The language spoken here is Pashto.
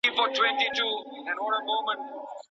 په قلم لیکنه کول د ګرامر په زده کړه کي مرسته کوي.